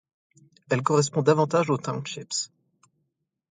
Elles correspondent davantage aux townships.